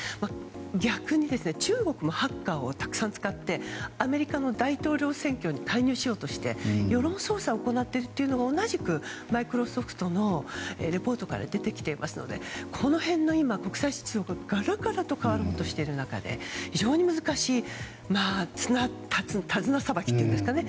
逆に、中国もハッカーをたくさん使ってアメリカの大統領選挙に介入しようとして世論操作を行っているというのも同じくマイクロソフトのレポートから出てきてますのでこの辺の国際秩序ががらりと変わろうとしている中で非常に難しい手綱さばきというんですかね。